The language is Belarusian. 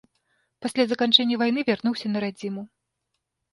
Пасля заканчэння вайны вярнуўся на радзіму.